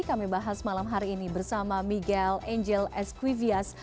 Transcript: kami bahas malam hari ini bersama miguel angel esquivias